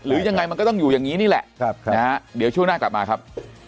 หรือยังไงมันก็ต้องอยู่อย่างนี้นี่แหละเดี๋ยวช่วงหน้ากลับมาครับ